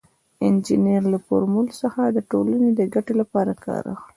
انجینر له فورمول څخه د ټولنې د ګټې لپاره کار اخلي.